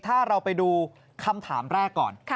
ถ้าเราไปดูคำถามแรกก่อน